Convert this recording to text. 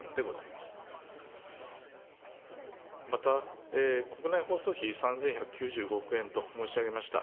また、国内放送費３１９５億円と申し上げました。